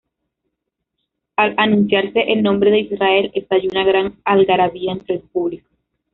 Al anunciarse el nombre de Israel, estalló una gran algarabía entre el público.